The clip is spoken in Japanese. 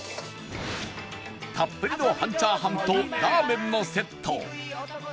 たっぷりの半チャーハンとラーメンのセット